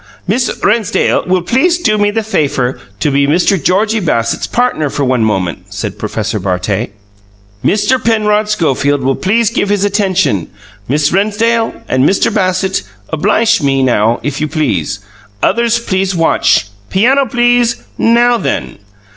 "Miss Rennsdale will please do me the fafer to be Mr. Georgie Bassett's partner for one moment," said Professor Bartet. "Mr. Penrod Schofield will please give his attention. Miss Rennsdale and Mister Bassett, obliche me, if you please. Others please watch. Piano, please! Now then!"